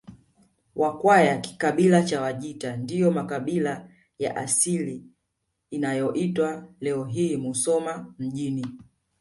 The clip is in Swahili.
Wakwaya kikabila cha Wajita ndiyo makabila ya asili ya inayoitwa leo hii Musoma mjini